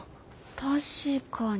確かに。